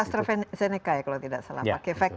itu astrazeneca ya kalau tidak salah